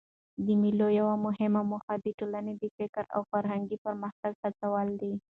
د مېلو یوه مهمه موخه د ټولني د فکري او فرهنګي پرمختګ هڅول دي.